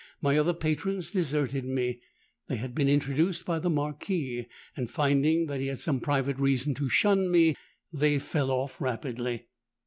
My other patrons deserted me: they had been introduced by the Marquis; and, finding that he had some private reason to shun me, they fell off rapidly.